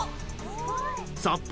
札幌。